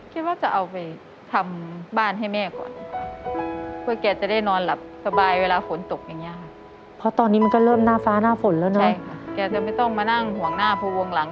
คิดว่าจะเอาไปทำบ้านให้แม่ก่อน